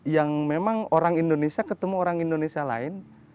yang memang orang indonesia ketemu orang indonesia lain